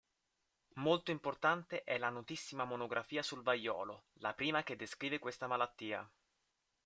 Molto importante è la notissima monografia sul vaiolo, la prima che descrive questa malattia.